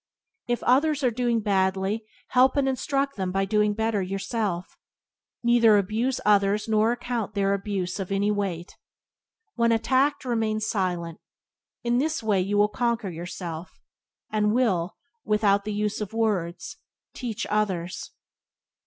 If others are doing badly help and instruct them by doing better yourself. Neither abuse others nor account their abuse of any weight. When attacked remain silent: in this way you will conquer yourself, and will, without the use of words, teach others.